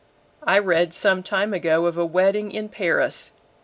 I read some time ago of a wedding in Paris.